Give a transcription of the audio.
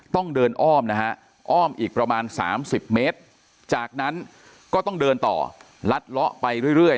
ต้องเดินอ้อมนะฮะอ้อมอีกประมาณ๓๐เมตรจากนั้นก็ต้องเดินต่อลัดเลาะไปเรื่อย